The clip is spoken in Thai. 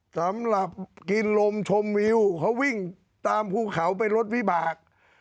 สำหรับกินลมชมวิวเขาวิ่งตามภูเขาไปรถวิบาก